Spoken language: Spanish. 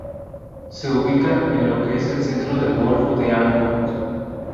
Se ubica en lo que es el centro del golfo de Ancud.